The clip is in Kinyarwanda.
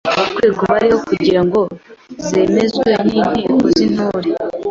rwego bariho; kugira ngo zemezwe n’Inteko y’Intore;